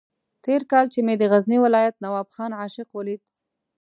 تېر کال چې مې د غزني ولایت نواب خان عاشق ولید.